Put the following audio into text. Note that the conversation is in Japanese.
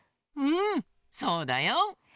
うんそうだよ。